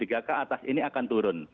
tiga ke atas ini akan turun